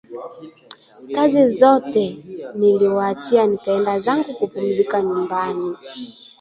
Kazi zote niliwaachia nikaenda zangu kupumzika nyumbani